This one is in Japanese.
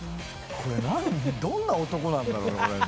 これどんな男なんだろうね？